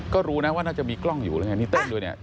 ก็รู้นะว่าน่าจะมีกล้องอยู่นี่เตะดูเนี่ย